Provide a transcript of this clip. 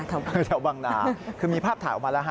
แถวบางนาคือมีภาพถ่ายออกมาแล้วฮะ